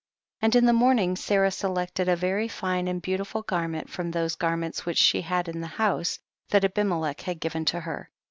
14. And in the morning Sarah se lected a very fine and beautiful gar ment from those garments which she had in the house, that Abimelech had given to her.